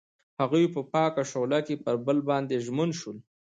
هغوی په پاک شعله کې پر بل باندې ژمن شول.